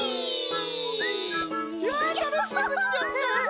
いやたのしいくじじゃった。